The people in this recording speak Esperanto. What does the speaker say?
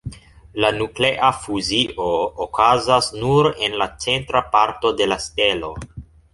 La nuklea fuzio okazas nur en la centra parto de la stelo.